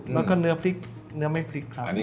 แล้วก็เนื้อพริกเนื้อไม่พริกค่ะ